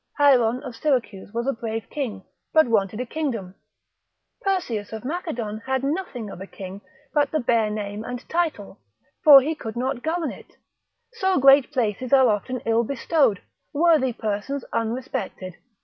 Hieron of Syracuse was a brave king, but wanted a kingdom; Perseus of Macedon had nothing of a king, but the bare name and title, for he could not govern it: so great places are often ill bestowed, worthy persons unrespected.